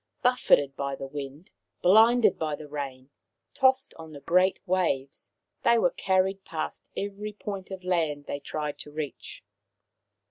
Buffeted by the wind, blinded by the rain, tossed on the great waves, they were carried past every point of land they tried to reach.